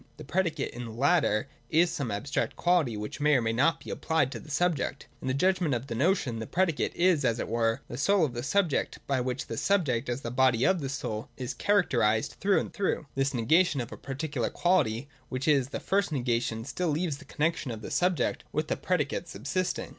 The predicate in the latter is some abstract quality which may or may not be applied to the subject. In the judgment of the notion the predicate is, as it were, the soul of the subject, by which the subject, as the body of this soul, is characterised through and through. VOL. II. X 3o6 THE DOCTRINE OF THE NOTION. [173 173.] This negation of a particular quality, which is the first negation, still leaves the connexion of the subject with the predicate subsisting.